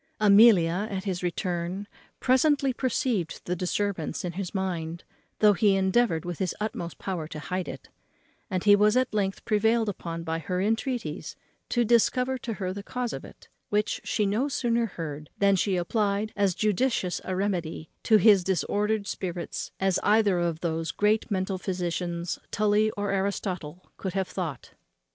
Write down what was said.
Amelia, at his return, presently perceived the disturbance in his mind, though he endeavoured with his utmost power to hide it; and he was at length prevailed upon by her entreaties to discover to her the cause of it, which she no sooner heard than she applied as judicious a remedy to his disordered spirits as either of those great mental physicians, Tully or Aristotle, could have thought of.